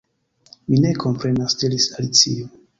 "Mi ne komprenas," diris Alicio.